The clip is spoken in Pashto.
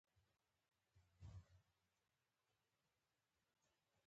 د هغوئ په فوجي عملونو تنقيد کړے دے.